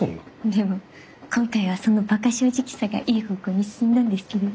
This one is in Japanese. でも今回はそのバカ正直さがいい方向に進んだんですけどね。